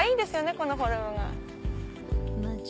このフォルム。